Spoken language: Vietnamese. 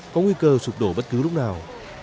có nguy cơ sụp đổ bất cứ lúc nào